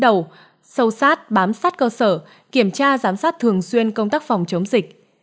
đầu sâu sát bám sát cơ sở kiểm tra giám sát thường xuyên công tác phòng chống dịch